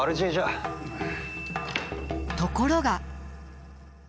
ところが。